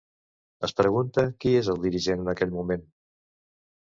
Es pregunta qui és el dirigent en aquell moment?